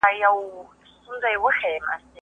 څنگه ټینگ به په خپل منځ کي عدالت کړو